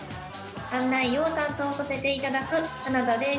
案内を担当させていただく花田です。